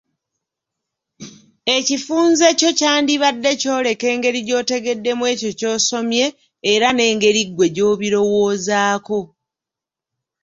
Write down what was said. Ekifunze kyo kyandibadde kyoleka engeri gy'otegeddemu ekyo ky'osomye era n'engeri ggwe gy'obirowoozaako.